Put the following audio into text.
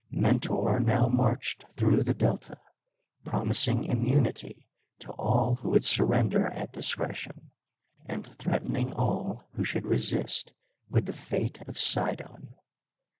Mentor now marched through the Delta, promising immunity to all who would surrender at discretion, and threatening all who should re sist with the fate of Sidon.